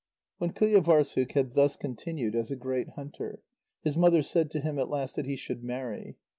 When Qujâvârssuk had thus continued as a great hunter, his mother said to him at last that he should marry.